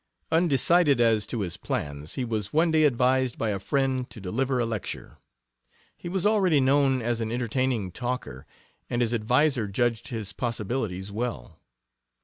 Undecided as to his plans, he was one day advised by a friend to deliver a lecture. He was already known as an entertaining talker, and his adviser judged his possibilities well.